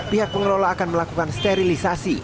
pihak pengelola akan melakukan sterilisasi